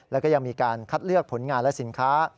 แล้วก็ยังมีการคัดเลือกผลงานและสินค้า